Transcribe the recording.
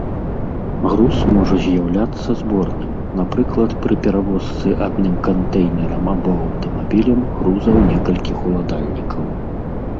Груз можа з'яўляцца зборным, напрыклад, пры перавозцы адным кантэйнерам або аўтамабілем грузаў некалькіх уладальнікаў.